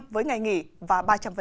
hai trăm linh với ngày nghỉ và ba mươi